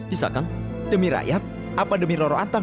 bisa kan demi rakyat apa demi roro atap